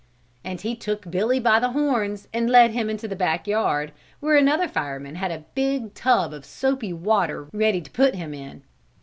And he took Billy by the horns and led him into the back yard where another fireman had a big tub of soapy water ready to put him in.